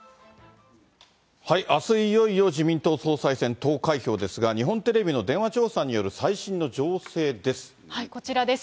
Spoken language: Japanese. あす、いよいよ自民党総裁選、投開票ですが、日本テレビの電話調査による最新の情勢です。